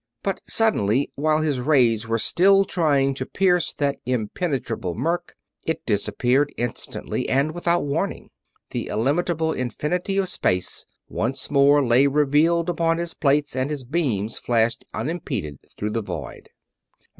But suddenly, while his rays were still trying to pierce that impenetrable murk, it disappeared instantly and without warning: the illimitable infinity of space once more lay revealed upon his plates and his beams flashed unimpeded through the void.